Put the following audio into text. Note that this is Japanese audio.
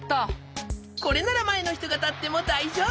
これならまえのひとがたってもだいじょうぶ。